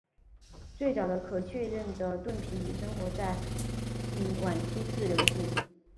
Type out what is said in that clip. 最早的可确认的盾皮鱼生活在晚期志留纪。